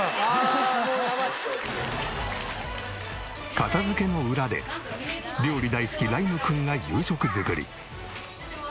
片付けの裏で料理大好き麗優心くんが夕食作り。